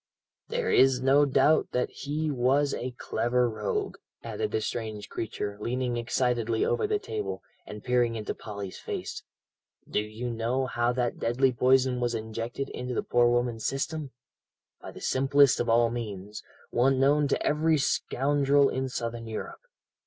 "There's no doubt that he was a clever rogue," added the strange creature, leaning excitedly over the table, and peering into Polly's face. "Do you know how that deadly poison was injected into the poor woman's system? By the simplest of all means, one known to every scoundrel in Southern Europe.